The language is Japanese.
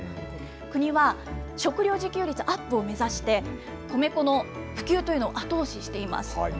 国は食料自給率アップを目指して、米粉の普及というのを後押ししています。